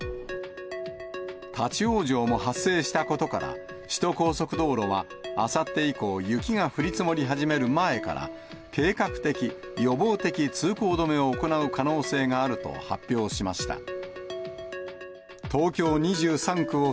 立往生も発生したことから、首都高速道路は、あさって以降、雪が降り積もり始める前から、計画的・予防的通行止めを行う可能性があると発表しました。